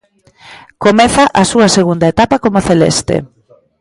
Comeza a súa segunda etapa como celeste.